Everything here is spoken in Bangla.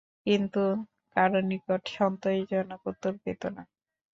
কিন্তু কারো নিকট সন্তোষজনক উত্তর পেত না।